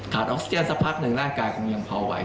ออกซิเจนสักพักหนึ่งร่างกายคงยังพอไหว